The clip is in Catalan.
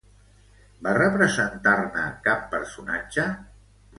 Va representar-ne cap personatge?